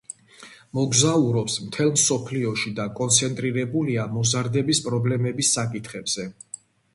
მოგზაურობს მთელ მსოფლიოში და კონცენტრირებულია მოზარდების პრობლემების საკითხებზე.